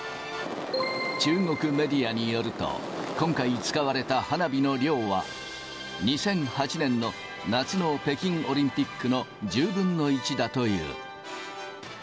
中国メディアによると、今回使われた花火の量は、２００８年の夏の北京オリンピックの１０分の１だという。